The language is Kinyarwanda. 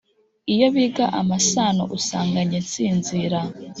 Iyo biga amasano Usanga jye nsinzira!